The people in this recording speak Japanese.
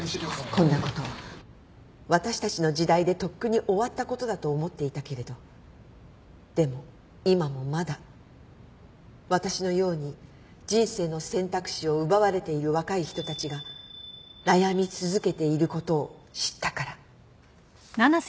「こんなこと」「私たちの時代でとっくに終わったことだと思っていたけれどでも今もまだ私のように人生の選択肢を奪われている若い人たちが悩み続けていることを知ったから」